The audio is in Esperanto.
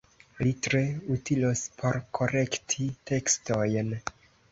Li tre utilos por korekti tekstojn.